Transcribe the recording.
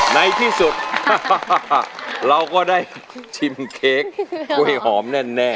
ในที่สุดเราก็ได้ชิมเค้กกล้วยหอมแน่